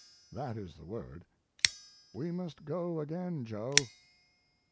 That is the word. We must go again, Joe.